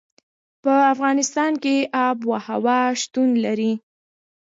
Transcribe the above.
په افغانستان کې آب وهوا شتون لري.